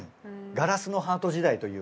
ガラスのハート時代というか。